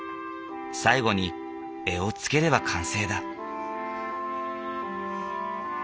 最後に柄をつければ完成だ。